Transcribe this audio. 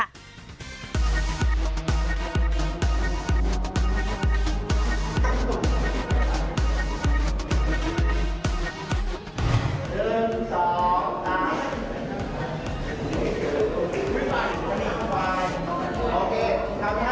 โอเคครั้งที่๕มันต้องไปอีกรอบนะต้องต่อเลย